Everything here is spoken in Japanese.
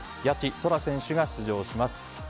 谷地宙選手が出場します。